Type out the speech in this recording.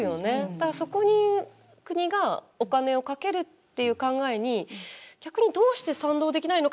だからそこに国がお金をかけるっていう考えに逆にどうして賛同できないのかななんて